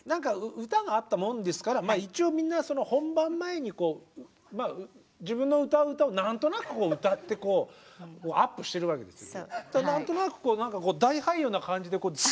歌があったもんですから一応みんな本番前に自分の歌う歌を何となく歌ってアップしてるわけですよ。